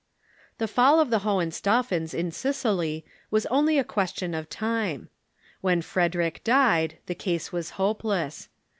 The fall of the Hohenstaufens in Sicily was only a question of time. When Frederic died, the case was hopeless.